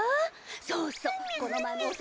そうそうこの前。